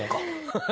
ハハハ！